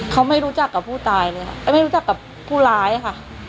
เขาไม่รู้จักกับผู้ตายเลยค่ะไม่รู้จักกับผู้ร้ายค่ะ